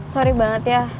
sorry banget ya